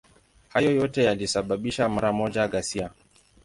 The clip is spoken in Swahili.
Hayo yote yalisababisha mara moja ghasia.